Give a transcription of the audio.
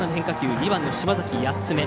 ２番の島崎８つ目。